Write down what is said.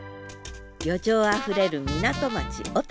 旅情あふれる港町小。